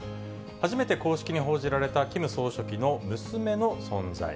初めて公式に報じられたキム総書記の娘の存在。